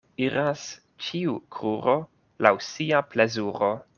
Iras ĉiu kruro laŭ sia plezuro.